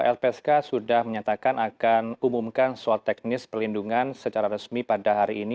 lpsk sudah menyatakan akan umumkan soal teknis perlindungan secara resmi pada hari ini